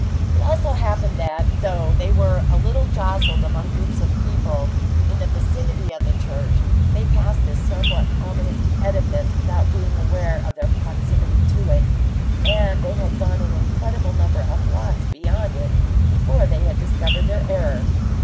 It also happened that, though they were a little jostled among groups of people in the vicinity of the church, they passed this somewhat prominent edifice without being aware of their proximity to it, and they had gone an incredible number of blocks beyond it before they discovered their error.